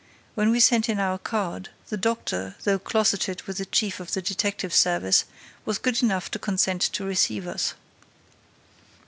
When we sent in our card, the doctor, though closeted with the chief of the detective service, was good enough to consent to receive us.